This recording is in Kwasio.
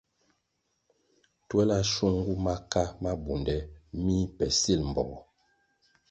Twela shungu maka mabunde mih le sil mbpogo.